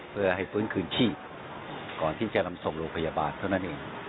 เพื่อให้ฟื้นคืนชีพก่อนที่จะนำส่งโรงพยาบาลเท่านั้นเอง